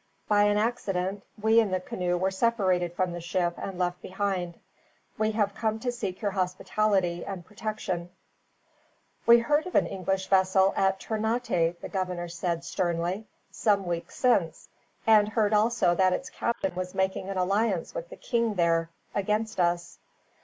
By an accident, we in the canoe were separated from the ship and left behind. We have come to seek your hospitality, and protection." "We heard of an English vessel at Ternate," the governor said, sternly, "some weeks since; and heard also that its captain was making an alliance with the king there, against us."